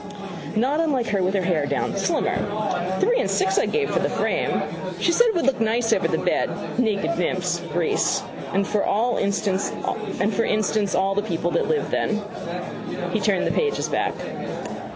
Not unlike her with her hair down: slimmer. Three and six I gave for the frame. She said it would look nice over the bed. Naked nymphs: Greece: and for instance all the people that lived then. He turned the pages back.